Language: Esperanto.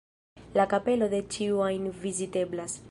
La kapelo de ĉiu ajn viziteblas.